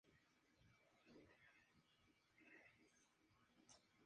En el extranjero ha representado la artesanía en Roma, Madrid y Chicago.